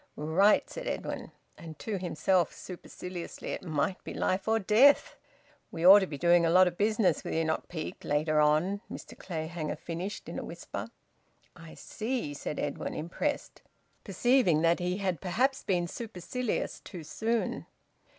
"Right!" said Edwin; and to himself, superciliously: "It might be life and death." "We ought to be doing a lot o' business wi' Enoch Peake, later on," Mr Clayhanger finished, in a whisper. "I see," said Edwin, impressed, perceiving that he had perhaps been supercilious too soon.